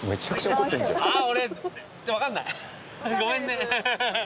ごめんね。